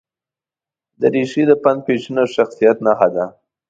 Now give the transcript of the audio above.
دریشي د فن، فیشن او شخصیت نښه ده.